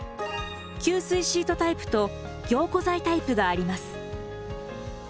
吸水シートタイプと凝固剤タイプがあります。